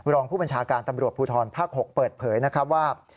รองผู้บัญชาการตำรวจภูทรภาค๖เปิดเผยนะครับว่า